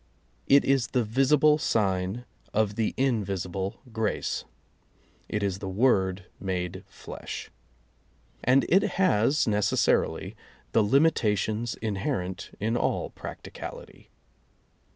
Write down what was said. It is the visible sign of the invisible grace. It is the word made flesh. And it has necessarily the limitations inherent in all practicality.